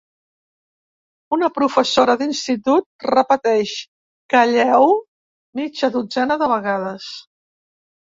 Una professora d'institut repeteix calleu mitja dotzena de vegades.